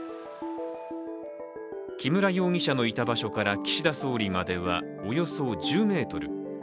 木村容疑者のいた場所から岸田総理まではおよそ１０ｍ。